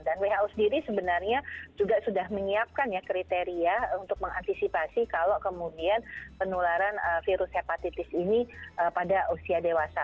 dan who sendiri sebenarnya juga sudah menyiapkan kriteria untuk mengantisipasi kalau kemudian penularan virus hepatitis ini pada usia dewasa